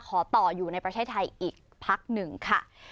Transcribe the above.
ขอต่ออยู่ในประเทศไทยอีกพักหนึ่งค่ะ